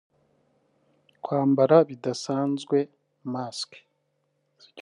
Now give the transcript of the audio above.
kwambara bidasanzwe (Mask)…